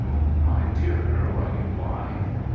_ My dear girl, are you blind!